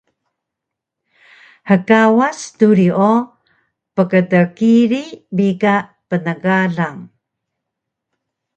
Hkawas duri o pkdkili bi ka pnegalang